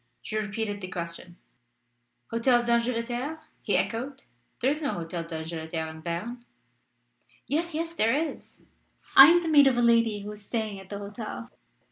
She repeated the question. "Hotel d'Angleterre?" he echoed. "There is no Hotel d'Angleterre in Berne." "Yes, yes; there is. I am the maid of a lady who is staying at that hotel."